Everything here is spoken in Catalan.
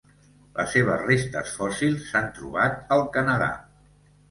Les seves restes fòssils s'han trobat al Canadà.